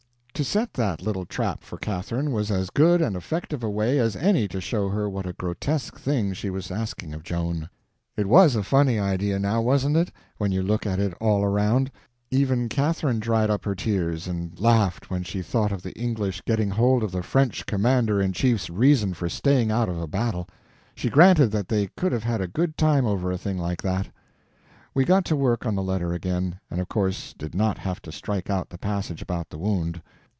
To set that little trap for Catherine was as good and effective a way as any to show her what a grotesque thing she was asking of Joan. It was a funny idea now, wasn't it, when you look at it all around? Even Catherine dried up her tears and laughed when she thought of the English getting hold of the French Commander in Chief's reason for staying out of a battle. She granted that they could have a good time over a thing like that. We got to work on the letter again, and of course did not have to strike out the passage about the wound.